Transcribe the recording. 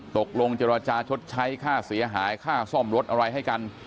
ตกลงเจรจาชดใช้ค่าเสียหายค่าซ่อมรถอะไรให้กัน